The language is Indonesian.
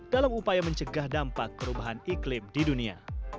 dalam upaya mencegah dampak perubahan iklim di dunia